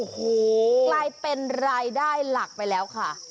ใกล้เป็นรายได้หลักไปแล้วค่ะ